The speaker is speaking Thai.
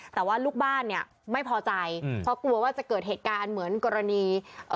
แต่ว่าลูกบ้านเนี่ยไม่พอใจอืมเพราะกลัวว่าจะเกิดเหตุการณ์เหมือนกรณีเอ่อ